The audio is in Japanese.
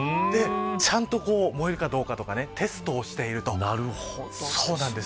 ちゃんと燃えるかどうかとかテストをしているそうなんです。